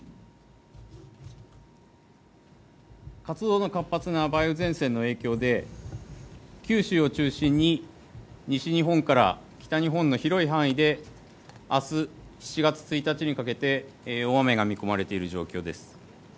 活動の活発な梅雨前線の影響で、九州を中心に西日本から北日本の広い範囲で、あす７月１日にかけて大雨が見込まれている状況です。